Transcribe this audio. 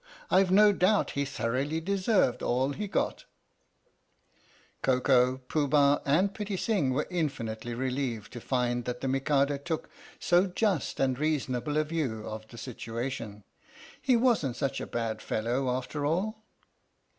I've no doubt he thoroughly deserved all he got/' Koko, Pooh Bah, and Pitti Sing were infinitely relieved to find that the Mikado took so just and reasonable a view of the situation. He wasn't such a bad fellow after all.